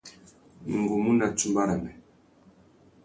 Ngu mú nà tsumba râmê.